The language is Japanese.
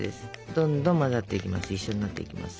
どんどん混ざっていきます。